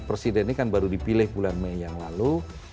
presiden ini kan baru dipilih bulan mei yang lalu